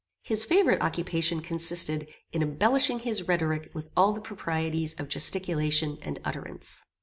His favorite occupation consisted in embellishing his rhetoric with all the proprieties of gesticulation and utterance.